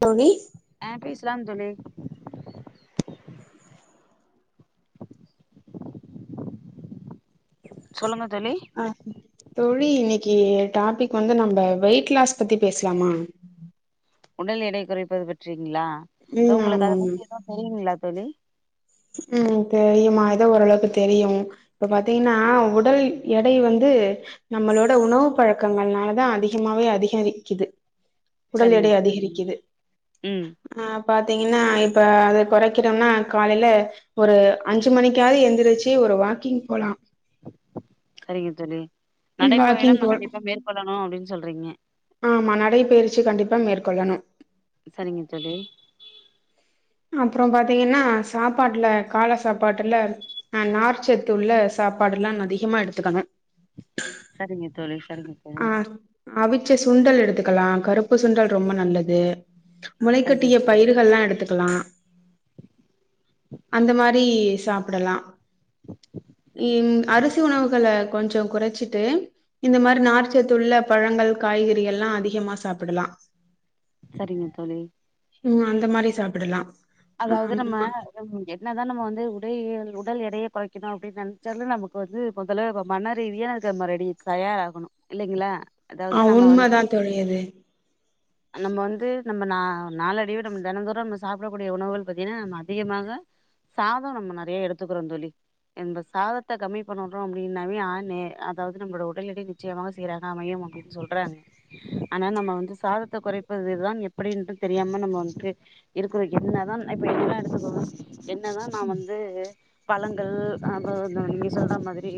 மோனி ஆ பேசலாம் தோழி சொல்லுங்க தோழி ஆஹ தோழி இன்னைக்கி டாபிக்கு வந்து நம்ம வெயிட் லாஸ் பத்தி பேசலாமா உடல் எடை குறைப்பது பற்றி ங்களா ம் உங்களுக்கு அத பத்தி ஏதுவும் தெரியுங்களா [unintelligible] உம் தெரியுமா ஏதோ ஓரளவுக்கு தெரியும் இப்ப பாத்தீங்கன்னா உடல் எடை வந்து நம்மளோட உணவு பழக்கங்கள்னாலதான் அதிகமாவே அதிகரிக்கிது உடல் சரிங்க எடை தோழி அதிகரிக்குது ம் ஆஹ் பாத்தீங்கன்னா இப்போ அது குறைக்குறோம்னா காலையில ஒரு அஞ்சு மணிக்காவது எழுந்திரிச்சு ஒரு வாக்கிங் போலாம் செரிங்கதோழி ம் வாக்கிங் நடைபயணம் நான் போ கண்டிப்பா மேற்கொள்ளணும் அப்டின்னு சொல்றீங்க ஆமா நடைபயிற்சி கண்டிப்பா மேற்கொள்ளணும் செரிங்க தோழி அப்புறம் பாத்தீங்கன்னா சாப்பாட்டுல கால சாப்பாட்டுல அஹ் நார்ச்சத்துள்ள சாப்பாடு எல்லாம் அதிகமா எடுத்துக்கணும் சரிங்க தோழி சரிங்க தோழி அவிச்ச சுண்டல் எடுத்துக்கலாம் கருப்பு சுண்டல் ரொம்ப நல்லது முளை சரிங்க கட்டிய தோழி பயிர்கள்லா எடுத்து க்கலாம் அந்த மாதிரி சாப்புடலாம் ஹும் அரிசி உணவுகள கொஞ்சம் கொறைச்சிட்டு இந்த மாதிரி நாச்சத்துள்ள பழங்கள் காய்கறிகள் எல்லாம் அதிகமா சாப்புடலாம் சரிங்க தோழி உம் அந்த மாரி சாப் டுலாம் அதாவது நம்ம என்னதான் நம்ம வந்து உடல் எடைய குறைக்கணும் அப்படின்னு நெனைச்சாலும் நமக்கு வந்து மொதல மன ரீதியான அதுக்கு ரெடி தயாராகணும் இல்லைங்களா ஹ் அதாவது நம்ம வந்து உண்மைதா தோழி அது நம்ம வந்து நம்ம நாளடிவே நம்ம தின தூரம் நம்ம சாப்புட க்கூடிய உணவுகள் பாத்தீங்கன்னா நம்ம அதிகமாக சாதோ நம்ம நெறைய எடுத்துக்கிறோ தோழி இந்த சாதத்த கம்மி பண்றோ அப்படின்னாவே ஆ நெ அதாவது நம்மளோட உடல் எடை நிச்சயமாக சீராக அமையும் அப்டின்னு சொல்றாங்க ஆனா நம்ம வந்து சாதத்த குறைப்பதுதான் எப்படின்ட்டு தெரியாம நம்ம வந்துட்டு இரு என்னதான் இப்ப என்னல்லாம் எடுத்துக்கோங்க என்னதான் நான் வந்து பழங்கள் அப்பறம் நீங்க சொல்ற மாதிரி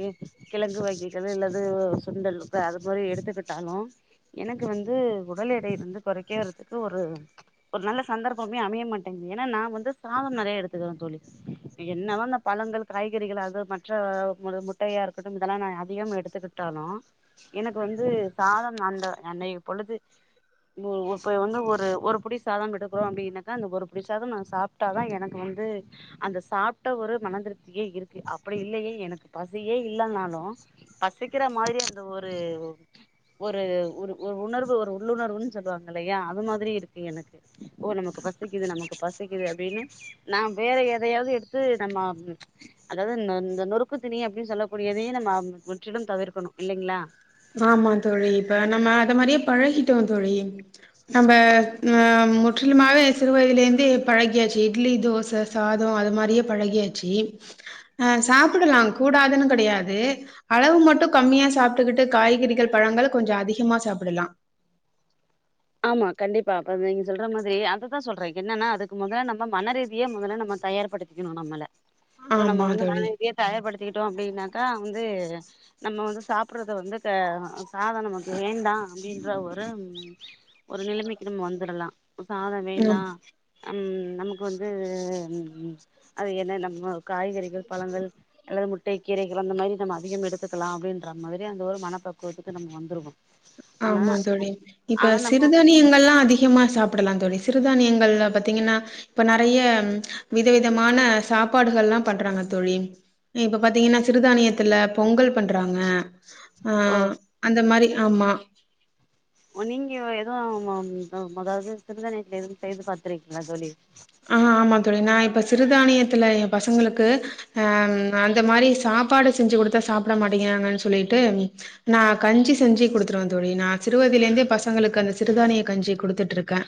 கிழங்கு வகைகள் இல்லது சுண்டல் அது மாதிரி எடுத்துக்கிட்டாலும் எனக்கு வந்து உடல் எடை வந்து குறைக்க வதுக்கு ஒரு ஒரு நல்ல சந்தர்ப்பம் அமைய மாட்டேங்கது ஏன்னா நான் வந்து சாதம் நிறைய எடுத்துக்குறேன் தோழி என்னதா அந்த பழங்கள் காய்கறிகள் அது மற்ற முட்டையா இருக்கட்டும் இதெல்லாம் அதிகம் எடுத்துக்கிட்டாலும் எனக்கு வந்து சாதம் அந்தய பொழுது இப்ப வந்து ஒரு புடி சாதம் எடுக்கிறோம் அப்டினா அதா அந்த ஒரு பிடி சாதோ நா சாப்ட்டாதா எனக்கு வந்து அந்த சாப்ட்ட ஒரு மனதிருப்தியே இருக்கு அப்டி இல்லையே எனக்கு பசியே இல்லனாலு பசிக்கிற மாரி அந்த ஒரு ஒ ஒரு ஒரு ஒரு உணர்வு ஒரு உள்ளுணர்வுன்னு சொல்லுவாங்க இல்லையா அது மாதிரி இருக்கு எனக்கு ஓ நமக்கு பசிக் பசிக்குது நமக்கு பசிக்குது அப்படின்னு நான் வேற எதையாவது எடுத்து நம்ம அதாவது இந்த நொறுக்கு தீணீ அப்படின்னு சொல்லக்கூடியதையும் நம்ம முற்றிடம் தவிர்க்கணும் இல்லிங்களா ஆமா தோழி இப்ப நம்ம அத மாரியே பழகிட்டோம் தோழி நம்ம ஆஹ ம் முற்றிலுமாவே சிறுவயதிலேந்தே பழகியாச்சு இட்லி தோசை சாதோ அது மாரியே பழகியாச்சு ஆ சாப்புடலா கூடாதுன்னு கெடையாது அளவு மட்டு கம்மியா சாப்ட்டுக்கிட் காய்கறிகள் பழங்கள் கொஞ்சம் அதிகமா சாப்புடலாம் ஆமா கண்டிப்பா அப்ப நீங்க சொல்ற மாதிரி அதுதா சொல்றே என்னன்னா அதுக்கு மொத நம்ம மனரீதியே மொதல்ல நம்ம தயார்படுத்திக்கணு நம்மள சோ நம்ம ஆமா வந்து தோழி மனரீதியா தயார்படுத்த கிட்டோம் அப்படின்னாக்கா வந்து நம்ம வந்து சாப்புடுறது வந்து சாதோநமக்கு வேண்டான் அப்புடின்ற ஒரு ஒரு நிலமைக்கு நம்ம வந்துடலா சாதோ வேணா ம் ம் நமக்கு வந்து அது என்ன நம்ம காய்கறிகள் பழங்கள் அல்லது முட் டை கீரைகள் அந்த மாதிரி நம்ம அதிகம் எடுத்துக்கலாம் அப்புடின்ற மாதிரி அந்த ஒரு மனப் பக்குவத்துக்கு நம்ம வந்துடுவோம் ஆமா தோழி இப்ப நம்ம சிறுதானியங்களா அதிகமா சாப்புடலாம் ஆ தோழி சிறுதானியங்கள்ல பாத்தீங்கன்னா இப்ப நெறைய வித விதமான சாப்பாடுகள்லா பண்றாங்க தோழி இப்ப பாத்தீங்கன்னா சிறுதானியத்துல பொங்கல் பண்றாங்க ஆ ஓ அந்த மாரி ஆமா [inaudible] ஓ நீங்க எதுவு ஆ ஆ அதாவது சிறுதானியத்துல எதுவும் செய்யறது பாத்திருக்கீங்களா தோழி ஆ ஆமா தோழி நா இப்ப சிறுதானியத்துல ஏன் பசங்களுக்கு ஆ அந்த மாரி சாப்பாடு செஞ்சு குடுத்தா சாப்ட மாட்டேங்கிறாங்கன்னு சொல்லிட்டு நா கஞ்சி செஞ்சு குடுத்துருவே தோழி நான் சிறுவயதுல இருந்தே பசங்களுக்கு அந்த சிறுதானிய கஞ்சி குடுத்துட்ருக்கே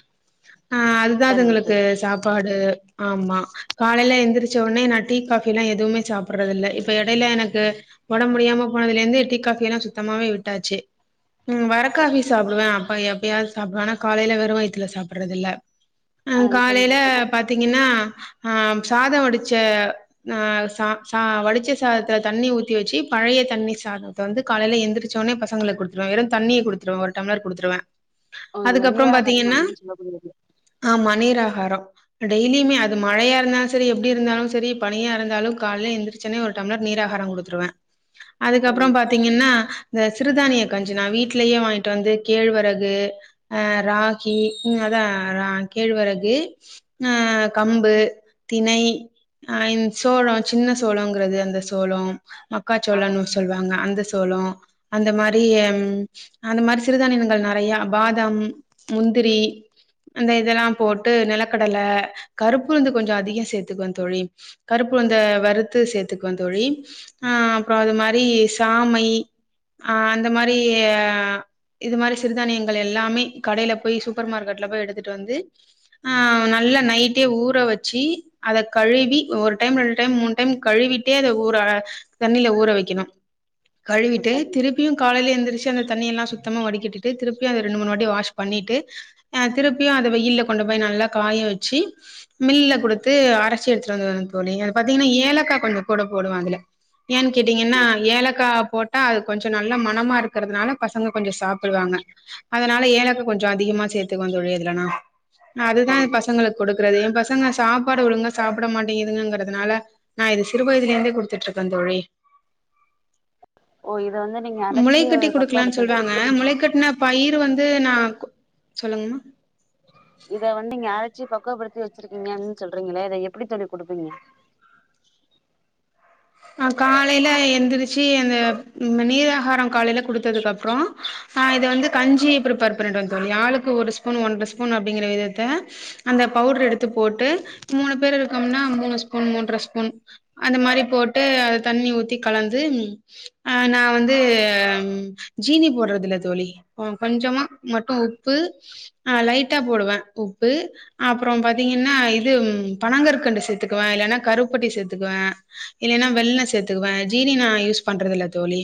ஆ அதுதா சரிங்க அதுங்களுக்கு தோழி சாப் து ஆமா காலைல எந்திரிச்ச உடனே நா டீ காஃபி எல்லா எதுவுமே சாப்படுறது இல்ல இப்ப எடையில எனக்கு ஒடம்பு முடியாம போனதுல இருந்து டீ காஃபி எல்லா சுத்தமாவே விட்டாச்சு ம் வரக்காபி சாப்டுவே அப்ப எப்பயாவது சாப்டுவே காலையில வெறு வயித்துல சாப்டறதில்ல ஆ இப்ப நீங்க சொன்ன பாத்தீங்கன்னா ஆ சாத வடிச்ச நா ச-ச வடிச்ச சாதத்துல தண்ணி ஊத்தி வச்சு பழைய தண்ணி சாதத்த வந்து காலையில எந்திரிச்சவுடனே பசங்களுக்கு குடுத்துருவே வெறு தண்ணிய குடுத்துருவே ஒரு டம்ளர் குடுத்துருவே ஆ அதுக்கப்றம் நீராகாரம் பாத்தீங்கன்னா அப்படின்னு சொல்லக்கூடியது ஆமா நீரா வரு டெய்லியுமே அது மழயா இருந்தாலும் செரி எப்டி இருந்தாலும் செரி பனியா இருந்தாலும் கால எந்திரிச்சனே ஒரு டம்ளர் நீர் ஆகாரம் கொடுத்துருவேன் அதுக்கப்பறம் சரிங்க பாத்தீங்கன்னா இந்த சிறுதானியக்கஞ்சி நா வீட்லயே வாங்கிட்டு வந்து கேழ்வரகு ஆ ராகி ம் அதா ஆ கேழ்வரகு ஆ கம்பு திணை ஆ இந் சோளோ சின்ன சோளங்கிறது அந்த சோளோ ஆ மக்காச்சோளன்னு சொல்வாங்க அந்த [unintelligible] சோளோ அந்த மாரி ம் அந்த மாரி சிறுதானியங்கள் நெறையா பாதாம் முந்திரி அந்த இதெல்லா போட்டு நிலக்கட தல கருப்பு வந்து கொஞ்ச அதிகோ சேத்துக்குவே தோழி கருப்பு அந்த வறுத்து சேத்துக்குவே தோழி ஆ அப்ற அது மாரி சாமை ஆ அந்த மாரி இது மாரி சிறுதானியங்கள் எல்லாமே கடைல போய் சூப்பர் மார்கெட்ல போய் எடுத்துட்டு வந்து ஆ அ நல்லா நைட்டே ஊற வச்சு அத கழுவி ஒரு டைம் ரெண்டு டைம் மூணு டைம் கழுவிட்டே அத ஊற தண்ணில ஊற வைக்கணு கழுவிட்டு சரிங்க திருப்பியும் காலயில எந்திரிச்சு அந்த தண்ணிய எல்லாம் சுத்தமா வடிகட்டிட்டு திருப்பியு அந்த ரெண்டு மூணு வாட்டி வாஷ் பண்ணிட்டு ஆ திருப்பியு அத வெயில்ல கொண்டு போய் நல்லா காய வச்சு மில்லுல கொடுத்து அரச்சு எடுத்துட்டு வந்து தோலி அது பாத்தீங்கன்னா ஏலக்கா கொஞ்ச கூட போடுவா அதுல ஏனு ஆ கேட்டீங்கன்னா ஏலக்கா போட்டா அது கொஞ்ச நல்ல மனமா இருக்கிறதுனால பசங்க கொஞ்ச சாப்பிடுவாங்க அதனால ஏலக்கா கொஞ்ச அதிகமா சேர்த்துக்குவே தோலி இதுலனா அ அதுதா சரிங்க பசங்களுக்கு கொடுக்குறது எம் பச சங்க சாப்பாடு ஒழுங்கா சாப்ட மாட்டேங்குதுங்கங்கிறதுனால நா இத சிறு வயதுல இருந்தே குடுத்துட்ருக்கே தோழி ஓ இத வந்து நீங்க அரைச்சு முளைக்கட்டி குடுக்கலான்னு பக்குவப்படுத்தி சொல்றாங்க எப்படி முளைக்கட்ன பயிர் வந் ந்து நா சொல்லுங்கம்மா இத வந்து [unintelligible] ச்சி பக்குவப்படுத்தி வச்சிருக்கீங்கன்னு சொல்றீங்களே அத எப்டி தோழி குடுப்பீங்க ஆ காலையில எந்திரிச்சு அந்த ம் நீராகாரம் காலயில குடுத்ததுக்கு அப்றோ ஆ இத வந்து கஞ்சி பிரிப்பேர் பண்ணிடுவே தோழி ஆளுக்கு ஒரு ஸ்பூன் ஒன்ரை ஸ்பூன் அப்டிங்கற விதத்த அந்த பவுடர் எடுத்து போட்டு மூணு பேர் இருக்கம்னா மூணு ஸ்பூன் மூன்ர ஸ்பூன் அந்த மாரி போட் போட்டு அத தண்ணி ஊத்தி கலந்து ஹா நா வந்து ஜினி போடுறதில்ல தோலி கொஞ்சம மட்டும் உப்பு ஹா லைட்டா போடுவே உப்பு அப்பறம் பாத்தீங்கன்னா இது பனங்கற்கண்டு சேத்துக்குவே இல்லன்னா கருப்பட்டி சேத்துக்குவன் இல்லன்னா வெல்லோ சேத்துக்குவே ஜீனி நா யூஸ் பண்றது இல்ல தோழி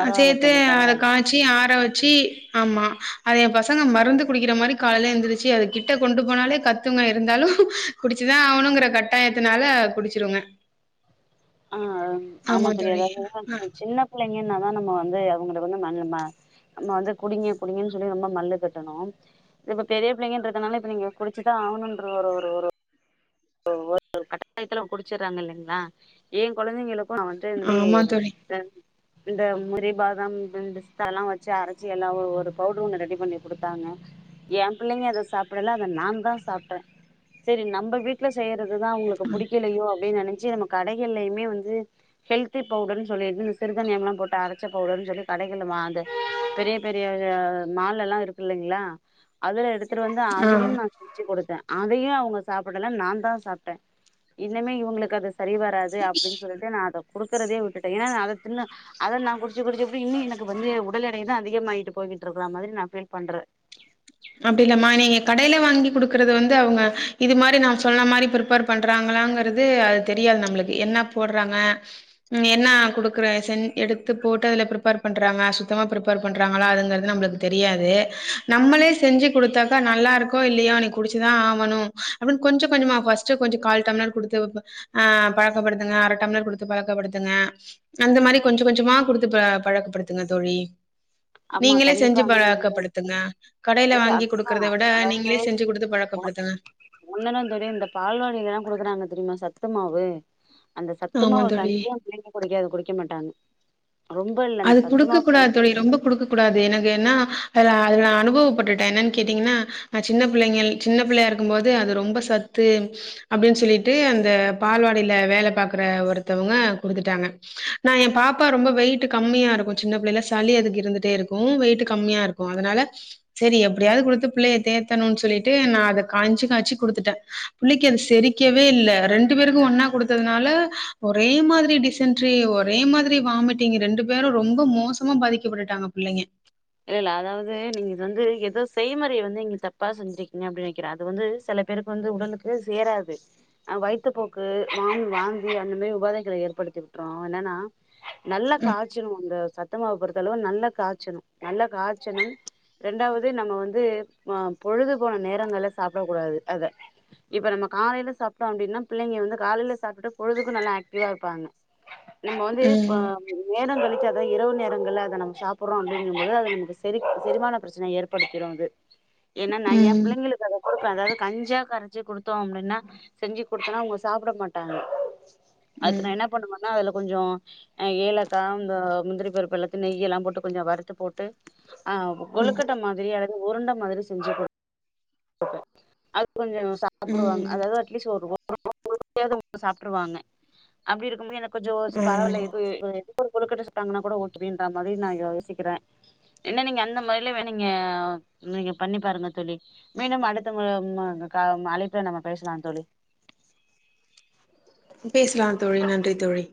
ஆ சேத்து தோழி அத பரவால்ல காய்ச்சி ஆற வச் சி ஆமா அது என் பசங்க மருந்து குடிக்கிற மாதிரி காலையில இருந்தருச்சு அது கிட்ட கொண்டு போனாலே கத்துவங்க இருந்தாலும் குடிச்சுதான் ஆவனுங்கற கட்டாயத்தினால குடிச்சிடுங்க ஆ ஆமாத்துரிய தோழி ஆ அதாவது சின்ன புள்ளைங்கன்னாதான் நம்ம வந்து அவங்க வந்து மண் மா நம்ம வந்து குடிங்க குடிங்கன்னு சொல்லி ரொம்ப மல்லு கட்டணும் இது இப்ப பெரிய புள்ளைங்கன்றதுனால இப்ப நீங்க குடிச்சுதான் ஆகணும்ன்ற ஒரு ஒரு ஒரு கட்டாயத்துல குடிச்சடுறாங்க இல்லைங்களா ஏன் குழந்தைங்களுக்கு ஹா மத்தப்படி ஆமா தோழி ரெஸ் இந்த முந்ரி பாதாம்பிஸ்தாதல்லாம் வச்சு அரைச்சி எல்லாம் ஒரு பவுடர் ஒண்ணு ரெடி பண்ணி குடுத்தாங்க என் பிள்ளைங்க அதை சாப்பிடல அதை நான் தான் சாப்பிட்டேன் சரி நம்ம வீட் விட்ல செய்ய இதுதான் அங்களுக்கு ஆ புடிக்கலயோ அப்பின்னு நினைச் சி நம கடைகல்லையுமே வந்து ஹெல்தி பவுடர் சொல்லி சிறுதன்யம் எல்லாம் போ அரைச்ச பவுடர் சொல்லி கடகள் பெரிய பெரிய மால்ல எல்லாம் இருக்கு இல்ங்களா அதுல எடுத்து வந்து ஆ அதையும் நான் செஞ்சு கொடுத்தேன் அதையும் அவங்க சாப்பிட இல்ல நான் தான் சாப்பிட்டேன் இன்னமே இவங்களுக்கு அதை சரி வராது அப்டின்னு சொல்லிட்டு நான் அத குடுக்கறதே விட்டுட்டேன் ஏன்னா அதை தின்னு அதை நான் குடிச் குடிச்சு குடிச்சுப்புட்டு இன்னும் எனக்கு வந்து ஒ உடல்டைய தான் அதிகமாயிட்டு போயிட்டு இருக்குற மாதிரி நான்ஃபீல் பண்றேன் அப்டி இல்லமா நீங்க கடயில வாங்கி குடுக்குறது வந்து அவங்க இது மாரி ந சொன்ன மாரி பிப்பேர் பண்றாங்களாங்கருது அது தெரியாது நம்ளுக்கு என்ன போடுறாங்க என்ன குடுக்குற செஞ் எடுத்து போட்டு அதுல பிர்ப்பர் பண்றாங்க சுத்தமா பிப்பேர் பண்றாங்களா அதுங்கிறது நமளுக்கு தெரியாது நம்மளே செ செஞ்சு கொடுத்தாக்கா நல்லா இருக்கோ இல்லையோ நீ குடிச்சுதான் ஆகணும் அப்படின்னு கொஞ்ச கொஞ்சமா பர்ஸ்ட்டு கொஞ்சம் கால் டம்ளர் கொடுத்து அஹ் பழக்கப்படுத்துங்க அரை டம்ளர் கொடுத்து பழக்கப்படுத்துங்க அந்த மாதிரி கொஞ்சம் கொஞ்சமா கொடுத்து பழக்கப்படுத்துங்க தோழி ஆமா நீங்களே செஞ்சு கண்டிப்பா பாழக்கப்படுத்துங்க இல்ல அதுதான் அதாவது குடுத்து பழக்கப்படுத்துங்க ஒன்னென்ன தெரியும் இந்த பால்வடிலல்லாம் கொடுக்குறாங்க தெரியுமா சத்து மாவு அந்த ஆமா சத்துமாவு தோழி கஞ்சியா புள்ளைங்க கூடிக்காது குடி வைக்க மாட்டாங்க ரொம்ப இல்ல அந்த அது குடுக்க சத்துமாவு கூடாது கஞ்சி தோழி ரொம்ப இருந்துசமே குடுக்க கூடாது எனக்கு என்னா அல அதுல அனுபவப்பட்டுட்டேன் என்னன்ன கேட்டீங்கன்னா சின்ன பிள்ளை சின்ன பிள்ளையா இருக்கும்போது அது ரொம்ப சத்து அப்படின்னு சொல்லிட்டு அந்த பால்வாடியில வேலை பாக்குற ஒருத்தவங்க குடுத்துட்டாங்க நான் என் பாப்பா ரொம்ப வெயிட்பேட்ட கம்மியா இருக்கும் சின்ன பிள்ளை சளி அதுக்கு இருந்துடே இருக்கும் வெயிட் கம்மியா இருக்கும் அதன்னால சரி எப்படியாவது கொடுத்து பிள்ளைய தேத்தணும்னு சொல்லிட்டு நான் அதை கஞ்சி காய்ச்சி குடுத்துட்டேன் பிள்ளைக்கு அது செரிக்கவே இல்ல ரெண்டு பேருக்கும் ஒன்னா குடுத்ததுனால ஒரே மாதிரிடிசன்ரி ஒரே மாதிரி வாமிட் நிங்க ரெண்டு பேரும் ரொம்ப மோசமா பாதிக்கப்பட்டுட்டாங்க புள்ளைங்க இல்ல இல்ல அதாவது நீங்க வந்து ஏதோ செய்முறையை வந்து நீங்க தப்பா செஞ்சிருக்கீங்க அப்படின்னு நினைக்கிறேன் அது வந்து சில பேருக்கு வந்து உடலுக்குே சேராது ஆஹ் வயத்துப்போக்கு வாமி வாந்தி அந்த மாதிரி உபாதைகளை ஏற்படுத்தி விட்டுறோம் என்னன்னா நல்லா காய்ச்சணும் அந்த சத்துமாவு பொறுத்து அவ்ளோவு நல்ல காய்ச்சணும் நல்ல காய்ச்சனம் இண்டாவது நம்ம வந்து ஆ பொழுது போன நேரங்கள்ல சாப்பட கூடாது அத இப்ப நம்ம காலையில சாப்பட்டோம் அப்டின்னா புள்ளைங்க வந்து காலையில சாப்பட்டுட்டு பொழுதுக்கும் நல்லா ஆக்டிவா இருப்பாங்க நம்ம வந்து இப்ப ம் நேரங்கள் அத இரவு நேரங்களல அதை நம்ம சாப்பிடறோம் அப் அப்டிங்குபோது அது நமக்கு செரிமான பிரச்சனைய் ஏற்படுத்திடும் அது என்னன்ன ஏன் ம். பிள்ளைங்களுக்கு கொடுப்பேன் அதாவது கஞ்சா கரைச்சி கொடுத்தோம் அப்படின்னா செஞ்சு குடுத்தோனா அவங்க சாப்பிட மாட்டாங்க அதுக்கு நான் என்ன பண்ணுவேன்னா அதுல கொஞ்சம்் ஏலக்காய் இந்த முந்திரி பருப்பு எல்லாதையும் நெய் எல்லாம் போட்டு கொஞ்சம் வருத்து போட்டு ஆ கொழுக்கட்ட மாதிரி உருண்ட மாதிரி செஞ்சு கொடுத்த அது கொஞ்சம் சாப்பிடுவாங்க அதாவது அட்லீஸ்ட் ஒரு சாப்பிருவாங்க அப்படி இருக்கும் போது எனக்கு ஜோ ச பார போ [unintelligible] ஒரு கொழுக்கட்ட சுட்டாங்கனா கூட ஓகேங்ற மாதிரி நான் யோசிக்கிறேன் என்ன நீங்க அந்த முறையில நீங்க நீங்க பண்ணி பாருங்க தோழி மீண்டும் அடுத்த அழைப்புல நம்ம பேசலாம் தோழி பேசலாம் தோழி நன்றி தோழி